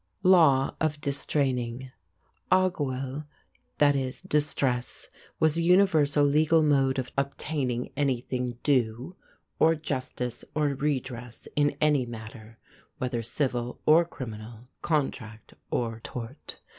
LAW OF DISTRAINING. Athgabail ([)a]h gowil) = "distress", was the universal legal mode of obtaining anything due, or justice or redress in any matter, whether civil or criminal, contract or tort.